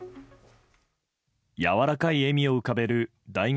やわらかい笑みを浮かべる大学